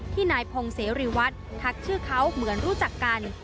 นายพงเสรีวัฒน์ทักชื่อเขาเหมือนรู้จักกัน